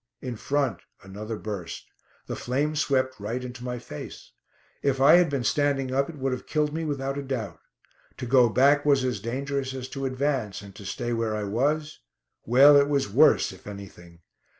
In front, another burst; the flames swept right into my face. If I had been standing up it would have killed me without a doubt. To go back was as dangerous as to advance, and to stay where I was well, it was worse, if anything.